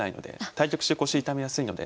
対局中腰痛めやすいので。